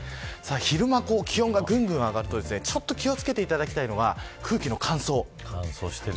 昼間、気温がぐんぐん上がると気を付けていただきたいのは空気の乾燥。